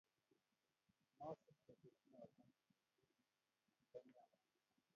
Masub metit not eng nigisindo nea amut